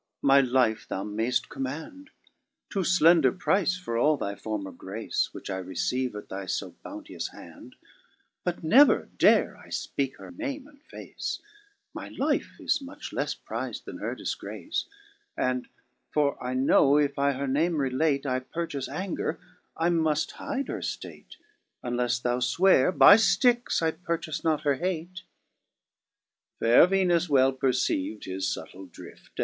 my life thou maift command, Too (lender price for all thy former grace Which I receive at thy fo bounteous hand ; But never dare I fpeak her name and face ; My life is much lefle priz'd than her difgrace : And, for I know if I her name relate I purchafe anger, I muft hide her ftate, Unlefle thou fweare by Stix I purchafe not her hate," 8. Faire Venus well perceiv'd his fubtile fhift.